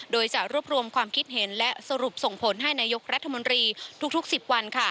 โดยจะรวบรวมความคิดเห็นและสรุปส่งผลให้นายกรัฐมนตรีทุก๑๐วัน